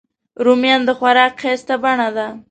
رومیان د خوراک ښایسته بڼه ده